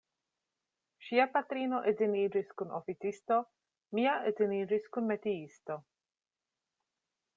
Ŝia patrino edziniĝis kun oficisto, mia edziniĝis kun metiisto.